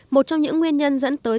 một trong những nguyên nhân dẫn tới tỉnh